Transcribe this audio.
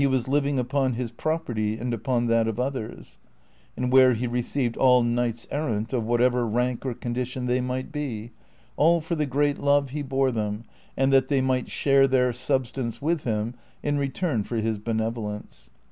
15 living upon his property and ii})()n that of others; and wlicrc he received all knights errant, of whatever rank or condition they might be, all for the great love he bore them and that, they might share their substance with him in return for his benevolence.